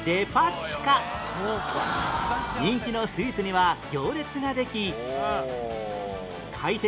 人気のスイーツには行列ができ